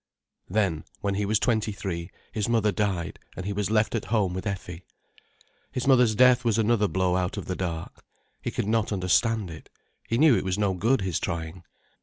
Then, when he was twenty three, his mother died, and he was left at home with Effie. His mother's death was another blow out of the dark. He could not understand it, he knew it was no good his trying.